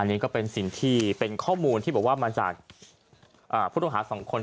อันนี้ก็เป็นสิ่งที่เป็นข้อมูลที่บอกว่ามาจากผู้ต้องหาสองคน